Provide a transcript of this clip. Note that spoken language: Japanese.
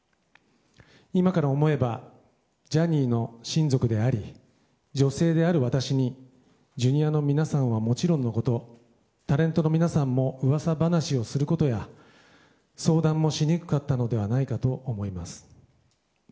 今から思えばジャニーの親族であり女性である私にＪｒ．の皆さんはもちろんのことタレントの皆さんも噂話をすることや相談もしにくかったのではないかと思います。